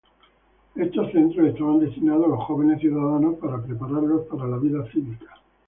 Estos centros estaban destinados a los jóvenes ciudadanos para prepararlos para la vida cívica.